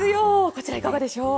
こちら、いかがでしょう。